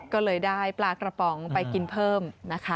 ก็เลยได้ปลากระป๋องไปกินเพิ่มนะคะ